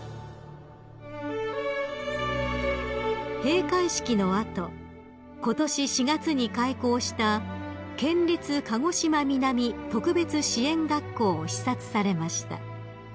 ［閉会式の後ことし４月に開校した県立鹿児島南特別支援学校を視察されました］